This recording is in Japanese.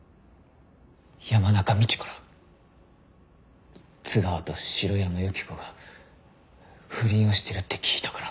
山中みちから津川と城山由希子が不倫をしてるって聞いたから。